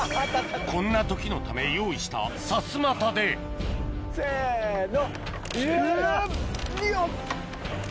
こんな時のため用意した刺股でせの。